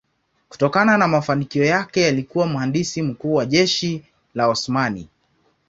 Kutokana na mafanikio yake alikuwa mhandisi mkuu wa jeshi la Osmani.